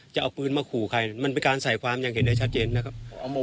จะเอาปืนมาขู่ใครมันเป็นการใส่ความอย่างเห็นได้ชัดเจนนะครับ